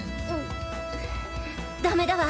ダメだわ。